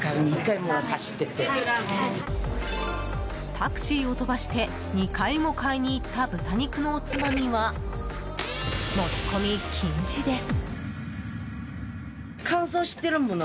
タクシーを飛ばして２回も買いに行った豚肉のおつまみは持ち込み禁止です。